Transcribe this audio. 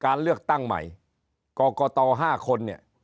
การเลือกตั้งใหม่กรกต๕คนเนี่ย